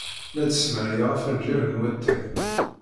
La d-smarayeɣ afenjal n watay.